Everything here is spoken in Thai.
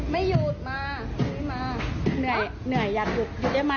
ไม่หยุดมาพรุ่งนี้มา